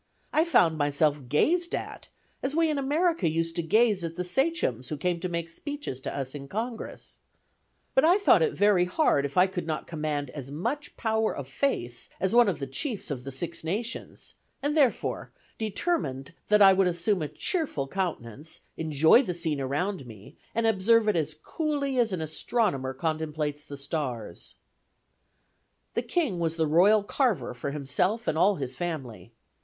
I found myself gazed at, as we in America used to gaze at the sachems who came to make speeches to us in Congress, but I thought it very hard if I could not command as much power of face as one of the chiefs of the Six Nations, and, therefore, determined that I would assume a cheerful countenance, enjoy the scene around me, and observe it as coolly as an astronomer contemplates the stars. ... The king was the royal carver for himself and all his family.